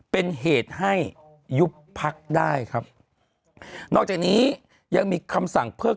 เป็นเหตุให้ยุบพักได้ครับนอกจากนี้ยังมีคำสั่งเพิก